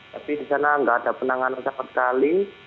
tapi di sana nggak ada penanganan sama sekali